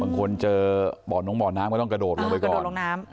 บางคนเจอบ่อนงบ่อน้ำก็ต้องกระโดดลงไปก่อนบ่อลงน้ำ